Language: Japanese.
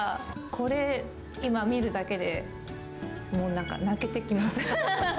これ、今見るだけで、もうなんか泣けてきます。